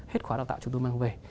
hết khóa đào tạo chúng tôi mang về